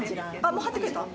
もう貼ってくれた？